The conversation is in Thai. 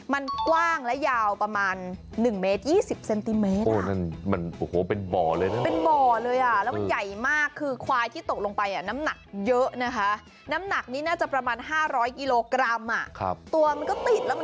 มันกว้างและยาวประมาณหนึ่งเมตรยี่สิบเซนติเมตรอ่ะ